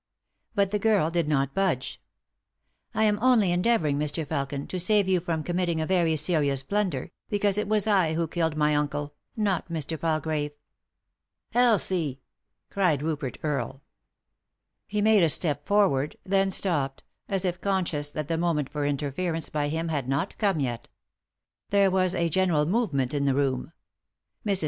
But the girl did not budge. " I am only endeavouring, Mr. Felkin, to save you from committing a very serious blunder, since it was I who killed my uncle, not Mr. Palgrave." " Elsie I " cried Rupert Earle. He made a step forward ; then stopped, as il 318 3i 9 iii^d by Google THE INTERRUPTED KISS conscious that the moment for interference by him had not come yet There was a general movement in the room. Mrs.